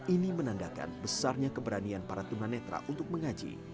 ini menandakan besarnya keberanian para tuan anadra untuk mengaji